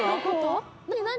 何？